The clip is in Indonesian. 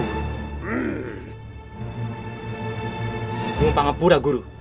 aku mempangapura guru